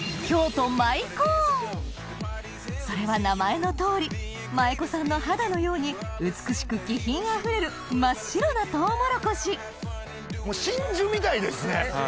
それは名前の通り舞妓さんの肌のように美しく気品あふれる真っ白なトウモロコシ真珠みたいですね！